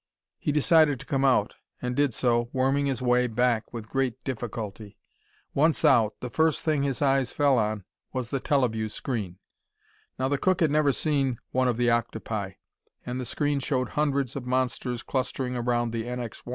He decided to come out, and did so, worming his way back with great difficulty. Once out, the first thing his eyes fell on was the teleview screen. Now the cook had never seen one of the octopi, and the screen showed hundreds of monsters clustering around the _NX 1.